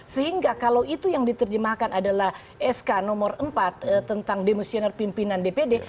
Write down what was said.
sehingga kalau itu yang diterjemahkan adalah sk nomor empat tentang demosioner pimpinan dpd